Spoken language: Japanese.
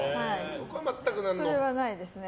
それはないですね。